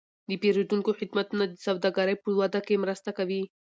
د پیرودونکو خدمتونه د سوداګرۍ په وده کې مرسته کوي.